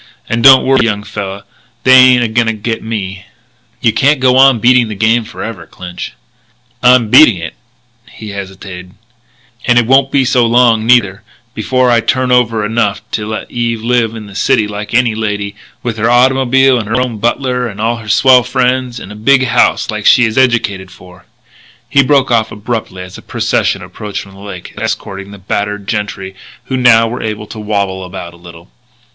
And don't worry, young fella; they ain't a going to get me." "You can't go on beating the game forever, Clinch." "I'm beating it " he hesitated "and it won't be so long, neither, before I turn over enough to let Eve live in the city like any lady, with her autymobile and her own butler and all her swell friends, in a big house like she is educated for " He broke off abruptly as a procession approached from the lake, escorting the battered gentry who now were able to wabble about a little.